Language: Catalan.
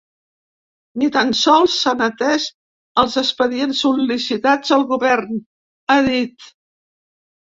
Ni tan sols s’han atès els expedients sol·licitats al govern, ha dit.